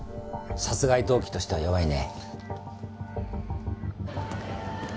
殺害動機としては弱いね。